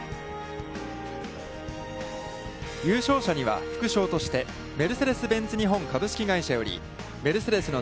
優勝者には副賞として、メルセデス・ベンツ日本株式会社より、メルセデスの